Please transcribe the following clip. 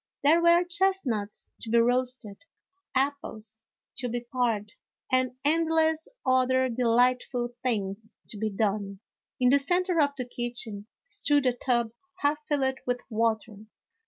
There were chestnuts to be roasted, apples to be pared, and endless other delightful things to be done. In the centre of the kitchen stood a tub half filled with water.